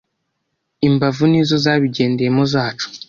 imbavu nizo zabigendeyemo zacu.